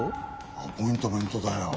アポイントメントだよ。